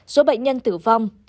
ba số bệnh nhân tử vong